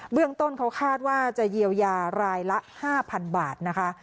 เรื่องต้นเขาคาดว่าจะเยียวยารายละ๕๐๐๐บาทนะคะ